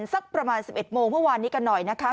สักประมาณ๑๑โมงเมื่อวานนี้กันหน่อยนะคะ